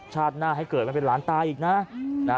หน้าให้เกิดมาเป็นหลานตาอีกนะ